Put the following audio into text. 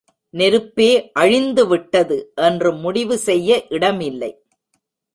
நெருப்பே அழிந்து விட்டது என்று முடிவு செய்ய இடமில்லை.